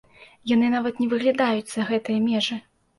Яны нават не выглядаюць за гэтыя межы!